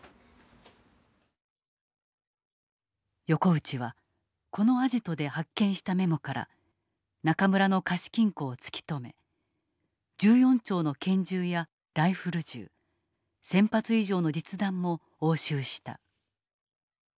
横内はこのアジトで発見したメモから中村の貸金庫を突き止め１４丁のけん銃やライフル銃１，０００発以上の実弾も押収した。